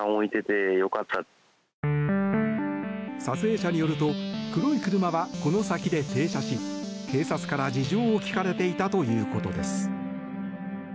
撮影者によると黒い車は、この先で停車し警察から事情を聴かれていたということです。